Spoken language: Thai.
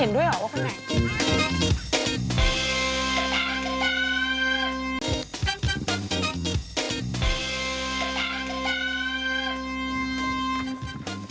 เห็นด้วยเหรอว่าเขาไหน